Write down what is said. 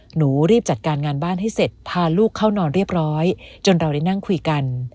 หนูรีบจัดการงานบ้านให้เสร็จพาลูกเข้านอนเรียบร้อยจนเราได้นั่งคุยกัน